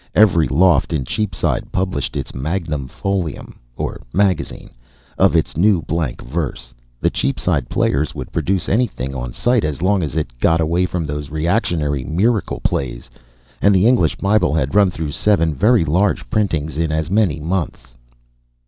Every loft in Cheapside published its Magnum Folium (or magazine) of its new blank verse; the Cheapside Players would produce anything on sight as long as it "got away from those reactionary miracle plays," and the English Bible had run through seven "very large" printings in as many months.